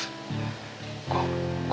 masa sih ref